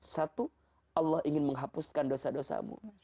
satu allah ingin menghapuskan dosa dosamu